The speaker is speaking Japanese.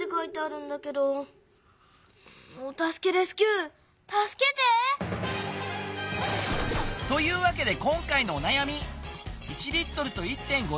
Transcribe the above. お助けレスキューたすけて！というわけで今回のおなやみ。